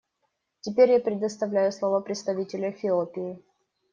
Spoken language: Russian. Теперь я предоставляю слово представителю Эфиопии.